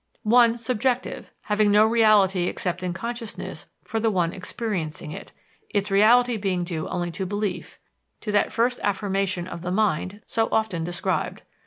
One, subjective, having no reality except in consciousness, for the one experiencing it, its reality being due only to belief, to that first affirmation of the mind so often described.